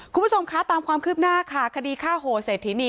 คุณผู้ชมคะตามความคืบหน้าค่ะคดีฆ่าโหเศรษฐินี